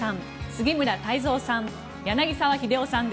杉村太蔵さん